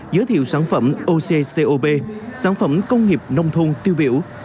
giới thiệu sản phẩm ocob sản phẩm công nghiệp nông thôn tiêu biểu